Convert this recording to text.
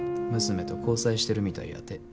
娘と交際してるみたいやて。